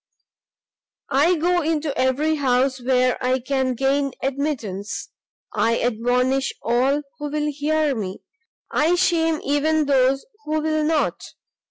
I go into every house where I can gain admittance, I admonish all who will hear me, I shame even those who will not.